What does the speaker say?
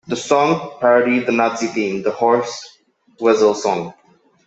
The song parodied the Nazi anthem, the "Horst Wessel Song".